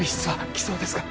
来そうですか？